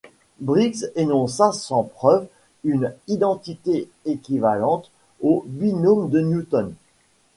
Briggs énonça sans preuve une identité équivalente au binôme de Newton.